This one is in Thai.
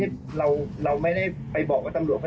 ว่าตำรวจเขาจะทำแบบนี้แต่เรากังวลนะครับ